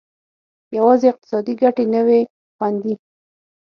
یوازې اقتصادي ګټې نه وې خوندي.